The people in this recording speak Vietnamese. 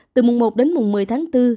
từ mùng một đến mùng một mươi tháng bốn